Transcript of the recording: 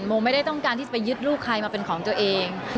โมไม่ได้ต้องการที่จะไปยึดลูกใครมาเป็นของตัวเอง